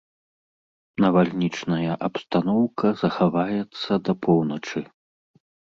Навальнічная абстаноўка захаваецца да паўночы.